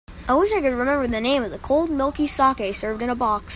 I wish I could remember the name of the cold milky saké served in a box.